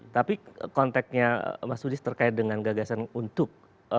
tapi konteknya mas udis terkait dengan gagasan untuk